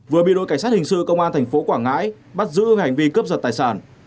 vừa bị đội cảnh sát hình sự công an thành phố quảng ngãi bắt giữ hành vi cướp giật tài sản